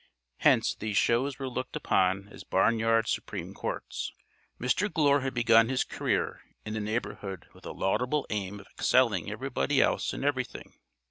Hence these shows were looked upon as barnyard supreme courts. Mr. Glure had begun his career in the neighborhood with a laudable aim of excelling everybody else in everything.